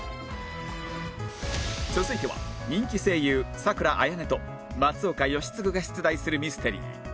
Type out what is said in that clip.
続いては人気声優佐倉綾音と松岡禎丞が出題するミステリー